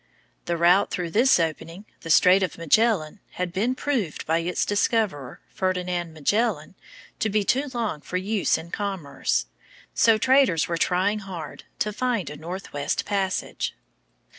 The route through this opening, the Strait of Magellan, had been proved by its discoverer, Ferdinand Magellan, to be too long for use in commerce, so traders were trying hard to find a northwest passage.